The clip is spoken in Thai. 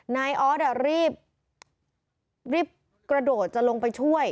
นายออสรีบกระโดดจะลงไปช่วย